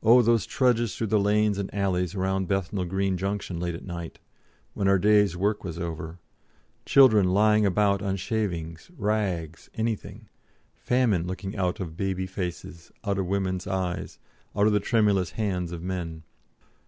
Oh, those trudges through the lanes and alleys round Bethnal Green Junction late at night, when our day's work was over; children lying about on shavings, rags, anything; famine looking out of baby faces, out of women's eyes, out of the tremulous hands of men.